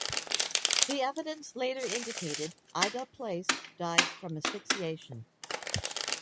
The evidence later indicated Ida Place died from asphyxiation.